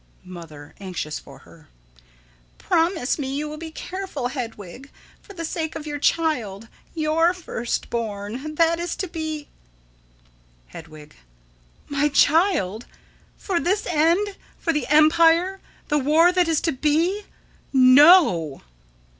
Mother: [Anxious for her.] Promise me you will be careful, Hedwig. For the sake of your child, your first born, that is to be Hedwig: My child? For this end? For the empire the war that is to be? No!